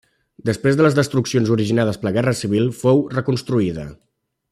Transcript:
Després de les destruccions originades per la Guerra Civil, fou reconstruïda.